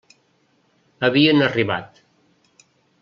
Havien arribat.